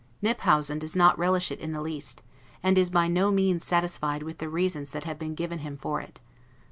Kniphausen does not relish it in the least, and is by no means satisfied with the reasons that have been given him for it.